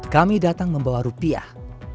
kami datang membawa rupiah